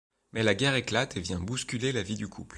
Mais la guerre éclate et vient bousculer la vie du couple.